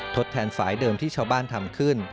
ทดแทนฝ่ายเดิมที่ชาวบ้านทำขึ้น